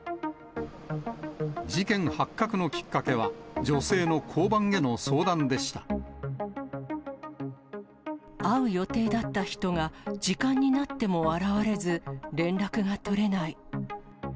事件発覚のきっかけは、女性の交会う予定だった人が、時間になっても現れず、連絡が取れない。